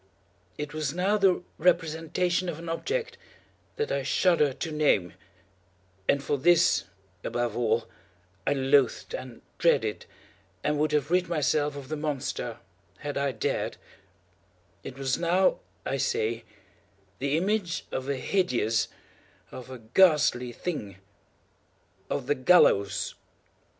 It was now the representation of an object that I shudder to name—and for this, above all, I loathed, and dreaded, and would have rid myself of the monster had I dared—it was now, I say, the image of a hideous—of a ghastly thing—of the GALLOWS!